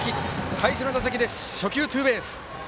最初の打席で、初球ツーベース。